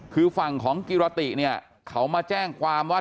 คือฝั่งของกิรติเนี่ยเขามาแจ้งความว่า